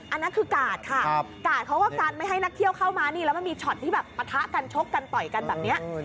อันนั้นคือกาดค่ะกาดเขาก็กันไม่ให้นักเที่ยวเข้ามานี่แล้วมันมีช็อตที่แบบปะทะกันชกกันต่อยกันแบบนี้